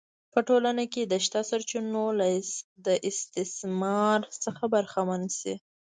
په ټولنه کې د شته سرچینو له استثمار څخه برخمن شي